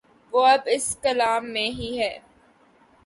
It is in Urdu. وہ اب اس کلام میں ہی ہے۔